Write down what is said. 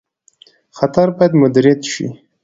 خطر باید مدیریت شي